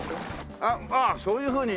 ああそういうふうに。